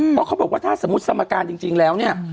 เพราะเขาบอกว่าถ้าสมมุติสมการจริงแล้วเนี่ย